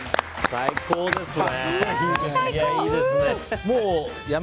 最高ですね。